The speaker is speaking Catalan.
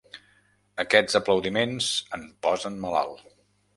Aquests aplaudiments em posen malalt.